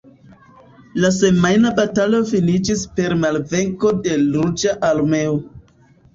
La semajna batalo finiĝis per malvenko de Ruĝa Armeo.